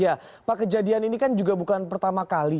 ya pak kejadian ini kan juga bukan pertama kali